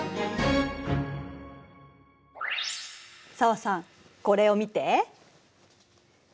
紗和さんこれを見て。